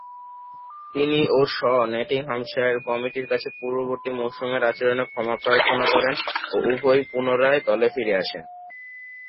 তিনি ও শ নটিংহ্যামশায়ার কমিটির কাছে পূর্ববর্তী মৌসুমের আচরণে ক্ষমা প্রার্থনা করেন ও উভয়েই পুনরায় দলে ফিরে আসেন।